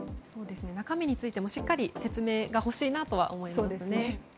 中身についてしっかり説明が欲しいなとは思いますね。